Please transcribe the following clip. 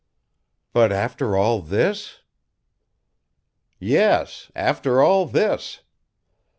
"But after all this?" "Yes, after all this.